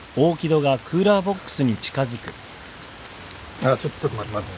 あっちょっちょっと待って待って。